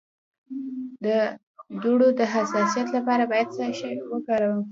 د دوړو د حساسیت لپاره باید څه وکاروم؟